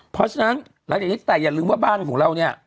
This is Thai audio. เพราะฉะนั้นหลังจากนี้แต่อย่าลืมว่าบ้านของเราเนี่ย